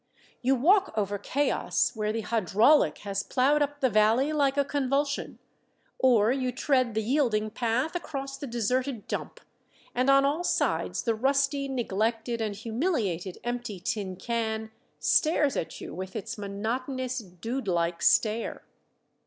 You walk over chaos where the "hydraulic" has plowed up the valley like a convulsion, or you tread the yielding path across the deserted dump, and on all sides the rusty, neglected and humiliated empty tin can stares at you with its monotonous, dude like stare.